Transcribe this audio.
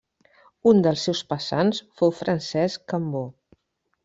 Un dels seus passants fou Francesc Cambó.